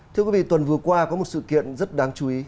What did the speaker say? thưa quý vị tuần vừa qua có một sự kiện rất đáng chú ý